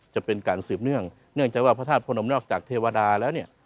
จะเป็นการสืบเนื่องเนื่องจากว่าพระธาตุพระนมนอกจากเทวดาแล้วเนี่ย